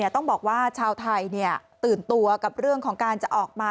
ต้องบอกว่าชาวไทยตื่นตัวกับเรื่องของการจะออกมา